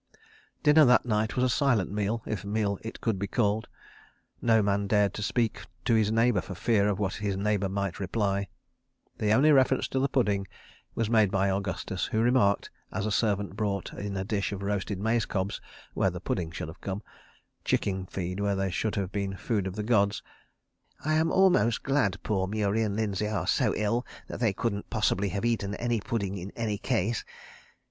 Dinner that night was a silent meal, if meal it could be called. No man dared speak to his neighbour for fear of what his neighbour might reply. The only reference to the Pudding was made by Augustus, who remarked, as a servant brought in a dish of roasted maize cobs, where the Pudding should have come—chicken feed where should have been Food of the Gods—"I am almost glad poor Murie and Lindsay are so ill that they couldn't possibly have eaten any Pudding in any case.